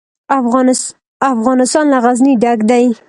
افغانستان له غزني ډک دی.